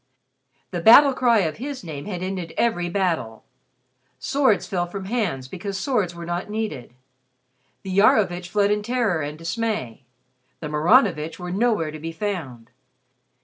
The battle cry of his name had ended every battle. Swords fell from hands because swords were not needed. The Iarovitch fled in terror and dismay; the Maranovitch were nowhere to be found.